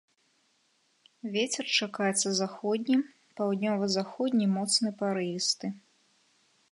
Вецер чакаецца заходні, паўднёва-заходні моцны парывісты.